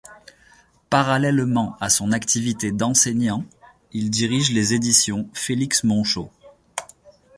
Parallèlement à son activité d'enseignant, il dirige les éditions Félix Moncho.